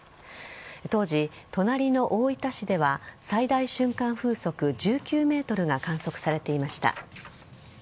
当時隣の大分市では最大瞬間風速１９メートルが観測されていました。